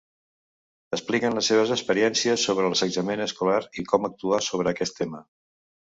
Expliquen les seves experiències sobre l'assetjament escolar i com actuar sobre aquest tema.